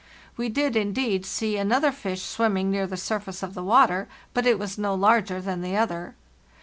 We did, indeed, see another fish swimming near the surface of the water, but it was no larger than the other.